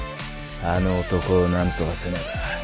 あの男をなんとかせねば。